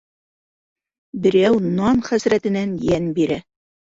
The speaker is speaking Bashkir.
Берәү нан хәсрәтенән йән бирә.